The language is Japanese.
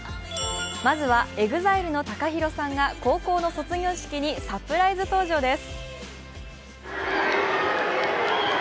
まずはＥＸＩＬＥのＴＡＫＡＨＩＲＯさんが高校の卒業式にサプライズ登場です。